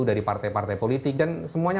dari partai partai politik dan semuanya